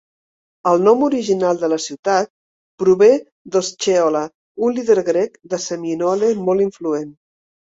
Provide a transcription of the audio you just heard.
El nom original de la ciutat prové d"Osceola, un líder grec de Seminole molt influent.